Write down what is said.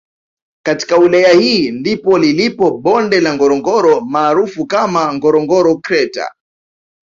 Katika wilaya hii ndipo lilipo bonde la Ngorongoro maarufu kama Ngorongoro kreta